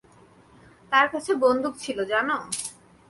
তার কাছে বন্দুক ছিল জানো?